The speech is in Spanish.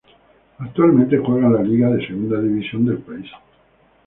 Actualmente juega en la I liga, la segunda división del país.